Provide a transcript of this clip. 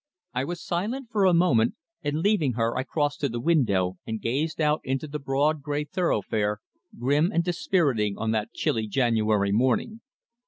I was silent for a moment, and leaving her I crossed to the window and gazed out into the broad, grey thoroughfare, grim and dispiriting on that chilly January morning.